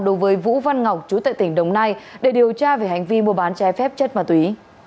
đối với vũ văn ngọc chú tại tỉnh đồng nai để điều tra về hành vi mua bán trái phép chất ma túy